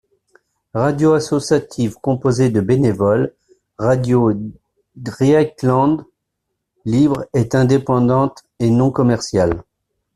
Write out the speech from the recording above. Radio associative composée de bénévoles, Radio Dreyeckland Libre est indépendante et non commerciale.